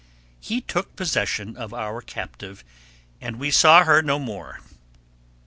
He took possession of our captive, and we saw her no more.